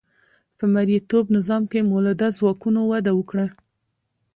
په مرئیتوب نظام کې مؤلده ځواکونو وده وکړه.